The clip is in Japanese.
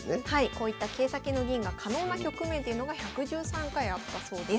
こういった桂先の銀が可能な局面というのが１１３回あったそうです。